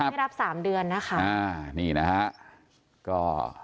ไม่รับสามเดือนนะคะอ่านี่นะฮะก็